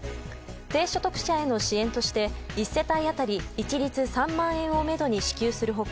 低所得者への支援として１世帯当たり一律３万円をめどに支給する他